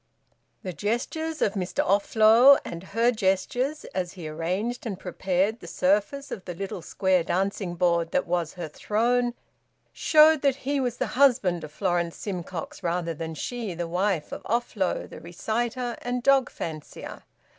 The gestures of Mr Offlow, and her gestures, as he arranged and prepared the surface of the little square dancing board that was her throne, showed that he was the husband of Florence Simcox rather than she the wife of Offlow the reciter and dog fancier.